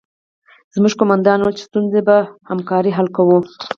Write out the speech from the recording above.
زموږ قومندان وویل چې ستونزې به په همکارۍ حل کوو